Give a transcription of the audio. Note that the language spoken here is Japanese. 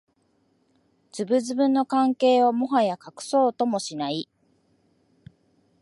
ズブズブの関係をもはや隠そうともしない